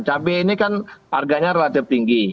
cabai ini kan harganya relatif tinggi